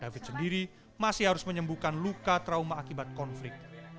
david sendiri masih harus menyembuhkan luka trauma akibat konflik